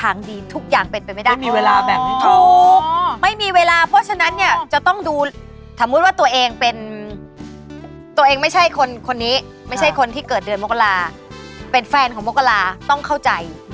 อะไรก็ประชุมเอ๊ะอะไรทำไมกลับตึกอะไรอย่างเงี้ย